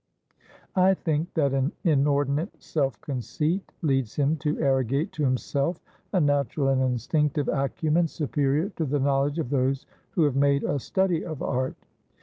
"I think that an inordinate self conceit leads him to arrogate to himself a natural and instinctive acumen superior to the knowledge of those who have made a study of art."